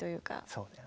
そうだよね。